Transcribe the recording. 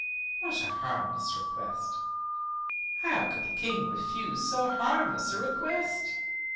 What a harmless request! How could the King refuse so harmless a request?